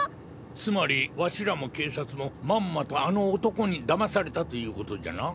つまりわしらも警察もまんまとあの男に騙されたということじゃな？